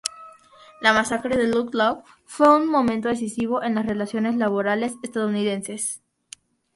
La masacre de Ludlow fue un momento decisivo en las relaciones laborales estadounidenses.